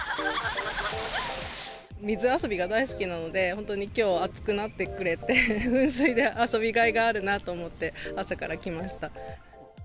水遊びが大好きなので、本当にきょう暑くなってくれて、噴水で遊びがいがあるなと思って、朝から来ました。